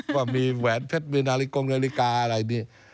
ว่ามีแหวนเพชรมีนาฬิกาอะไรอย่างนี้